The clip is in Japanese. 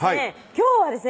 今日はですね